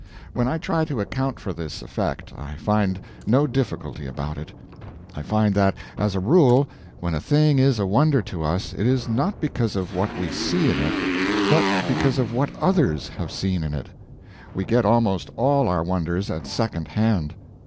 When I try to account for this effect I find no difficulty about it. I find that, as a rule, when a thing is a wonder to us it is not because of what we see in it, but because of what others have seen in it. We get almost all our wonders at second hand.